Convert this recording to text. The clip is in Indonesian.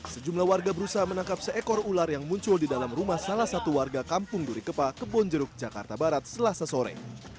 sejumlah warga berusaha menangkap seekor ular yang muncul di dalam rumah salah satu warga kampung durikepa kebonjeruk jakarta barat selasa sore